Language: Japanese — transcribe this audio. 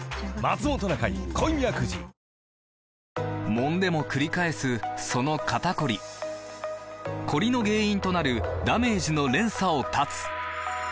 もんでもくり返すその肩こりコリの原因となるダメージの連鎖を断つ！